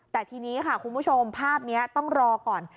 แต่ทีนี้ค่ะคุณผู้ชมภาพนี้ต้องรอก่อน